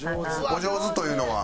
お上手というのは？